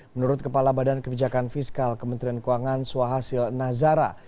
menurut kepala badan kebijakan fiskal kementerian keuangan suhasil nazara